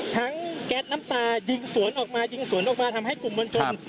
แก๊สน้ำตายิงสวนออกมายิงสวนออกมาทำให้กลุ่มมวลชน